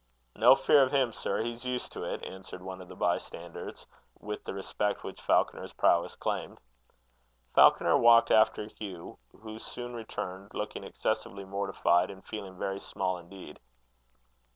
"No fear of him, sir; he's used to it," answered one of the bystanders, with the respect which Falconer's prowess claimed. Falconer walked after Hugh, who soon returned, looking excessively mortified, and feeling very small indeed.